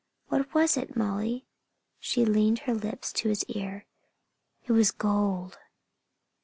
"What was it, Molly?" She leaned her lips to his ear. "It was gold!"